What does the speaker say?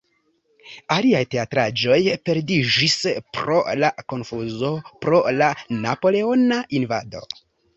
Aliaj teatraĵoj perdiĝis pro la konfuzo pro la napoleona invado.